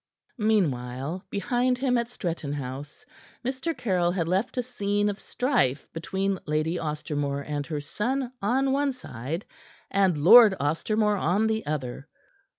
Meanwhile, behind him at Stretton House, Mr. Caryll had left a scene of strife between Lady Ostermore and her son on one side and Lord Ostermore on the other.